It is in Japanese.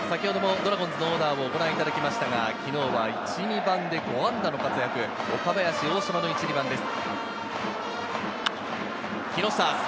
ドラゴンズのオーダーをご覧いただきましたが、昨日は１・２番で５安打の活躍、岡林、大島の１・２番です。